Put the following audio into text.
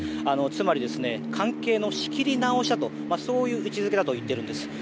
つまり、関係の仕切り直しだとそういう位置づけだと言っているんです。